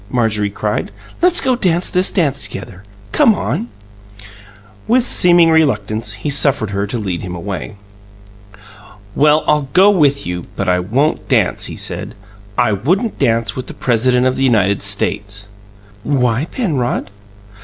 Marjorie cried. "Let's go dance this together. Come on!" With seeming reluctance, he suffered her to lead him away. "Well, I'll go with you; but I won't dance," he said "I wouldn't dance with the President of the United States" "Why, Penrod?"